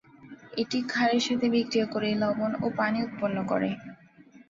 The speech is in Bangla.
এটি ক্ষারের সাথে বিক্রিয়া করে লবণ ও পানি উৎপন্ন করে।